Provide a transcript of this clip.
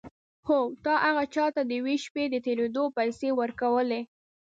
هو تا هغه چا ته د یوې شپې د تېرېدو پيسې ورکولې.